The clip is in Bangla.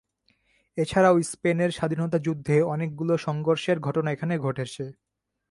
এছাড়াও স্পেনের স্বাধীনতা যুদ্ধে অনেকগুলো সংঘর্ষের ঘটনা এখানে ঘটেছে।